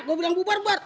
gue bilang bubar buar